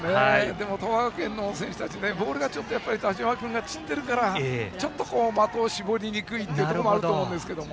でも、東亜学園の選手たちボールが田嶋君が散ってるからちょっと的を絞りにくいことがあると思いますけど。